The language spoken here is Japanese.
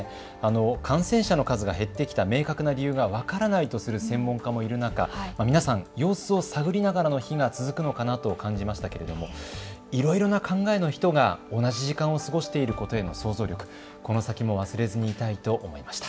感染者の数が減ってきた明確な理由は分からないとする専門家もいる中、皆さん様子を探りながらの日が続くのかなと感じましたけれどもいろいろな考えの人が同じ時間を過ごしていることへの想像力、この先も忘れずにいたいと思いました。